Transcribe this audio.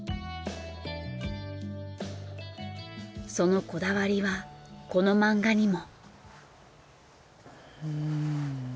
そのこだわりはこの漫画にも。